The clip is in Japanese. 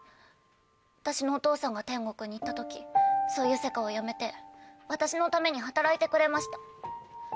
私のお父さんが天国に行った時そういう世界をやめて私のために働いてくれました。